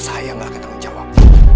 saya yang gak akan tanggung jawab